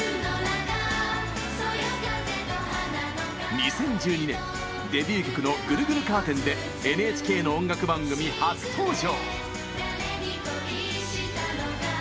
２０１２年、デビュー曲の「ぐるぐるカーテン」でＮＨＫの音楽番組、初登場！